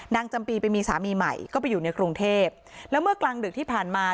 จำปีไปมีสามีใหม่ก็ไปอยู่ในกรุงเทพแล้วเมื่อกลางดึกที่ผ่านมา